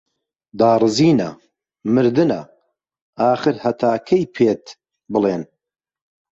داڕزینە، مردنە، ئاخر هەتا کەی پێت بڵێن